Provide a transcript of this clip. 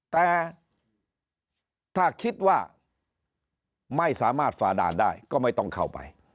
แต่ถ้าคิดว่าไม่สามารถฝ่าด่านได้ก็ไม่ต้องเข้าไป